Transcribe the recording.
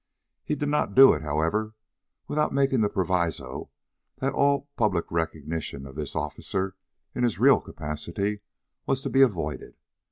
He did not do it, however, without making the proviso that all public recognition of this officer, in his real capacity, was to be avoided.